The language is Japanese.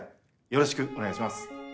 よろしくお願いします。